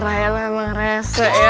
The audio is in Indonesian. raya memang rese ya